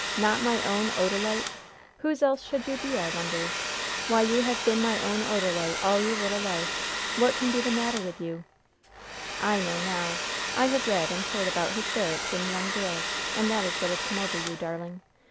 Not my own Odalite? Whose else should you be, I wonder? Why, you have been my own Odalite all your little life. What can be the matter with you? I know now! I have read and heard about hysterics in young girls, and that is what has come over you, darling!